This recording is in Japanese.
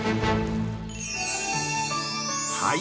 はい！